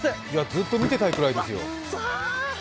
ずっと見てたいぐらいですよ。